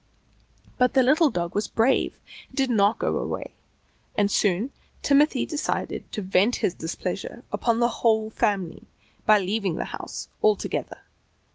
But the little dog was brave and did not go away, and soon Timothy decided to vent his displeasure upon the whole family by leaving the house altogether.